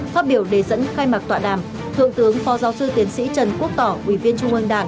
phát biểu đề dẫn khai mạc tọa đàm thượng tướng phó giáo sư tiến sĩ trần quốc tỏ ủy viên trung ương đảng